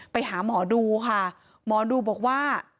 ไปหาหมอดูค่ะหมอดูบอกว่า